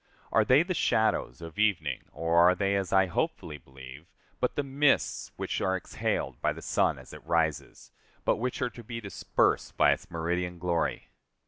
Are they the shadows of evening, or are they, as I hopefully believe, but the mists which are exhaled by the sun as it rises, but which are to be dispersed by its meridian glory?